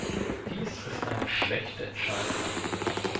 Dies ist eine schlechte Entscheidung.